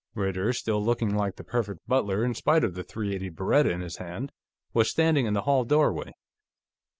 Ritter, still looking like the Perfect Butler in spite of the .380 Beretta in his hand, was standing in the hall doorway.